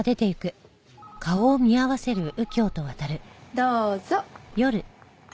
どうぞ。